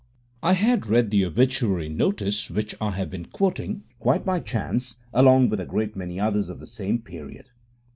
I had read the obituary notice which I have been quoting, quite by chance, along with a great many others of the same period.